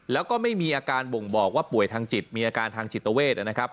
แล้วก็ไม่มีอาการบ่งบอกว่าป่วยทางจิตมีอาการทางจิตเวทนะครับ